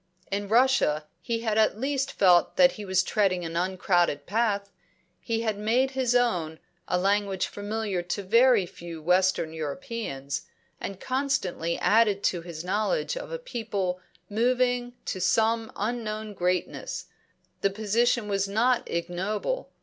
In Russia he had at least felt that he was treading an uncrowded path: he had made his own a language familiar to very few western Europeans, and constantly added to his knowledge of a people moving to some unknown greatness; the position was not ignoble.